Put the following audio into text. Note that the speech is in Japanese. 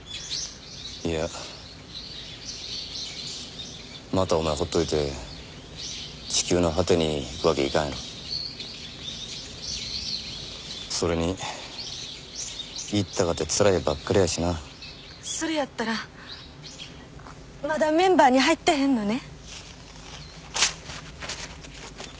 いやまたお前ほっといて地球の果てに行くわけいかんやろそれに行ったかてつらいばっかりやしなそれやったらまだメンバーに入ってへんのね？